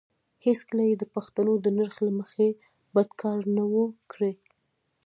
هېڅکله یې د پښتنو د نرخ له مخې بد کار نه وو کړی.